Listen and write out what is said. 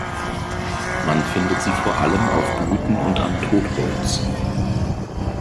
Man findet sie vor allem auf Blüten und an Totholz.